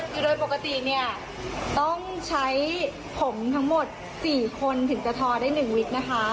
คือโดยปกติเนี่ยต้องใช้ผมทั้งหมด๔คนถึงจะทอได้๑วิกนะคะ